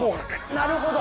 なるほど！